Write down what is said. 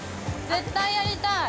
絶対やりたい。